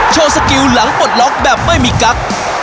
โชว์สกิลหลังปลดล็อกแบบไม่มีกั๊ก